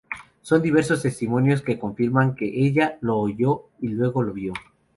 Son diversos testimonios que confirman que ella lo oyó y luego lo vio.